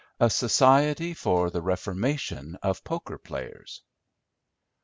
A Society For The Reformation Of Poker Players.